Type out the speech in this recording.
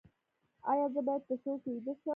ایا زه باید په شور کې ویده شم؟